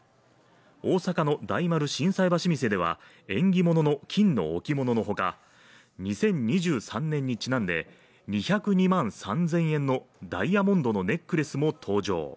大阪の大丸心斎橋店では、縁起物の金の置物のほか２０２３年にちなんで２０２万３０００円のダイヤモンドのネックレスも登場。